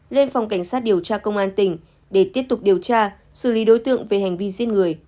lên phòng cảnh sát điều tra công an tỉnh để tiếp tục điều tra xử lý đối tượng về hành vi giết người